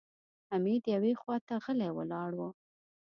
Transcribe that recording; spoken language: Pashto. حميد يوې خواته غلی ولاړ و.